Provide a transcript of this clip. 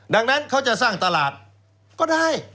ดังนั้นเขาจะสร้างตลาดก็ได้